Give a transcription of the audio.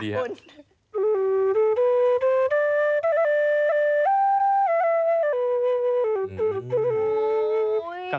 ธรรมดา